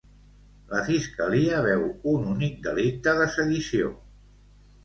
La Fiscalia veu un únic delicte de sedició.